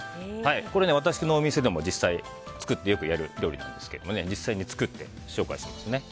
私のお店でも実際に作ってよくやる料理なんですけど実際に作って紹介しますね。